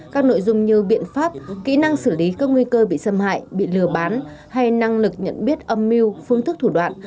các nội dung như biện pháp kỹ năng xử lý các nguy cơ bị xâm hại bị lừa bán hay năng lực nhận biết âm mưu phương thức thủ đoạn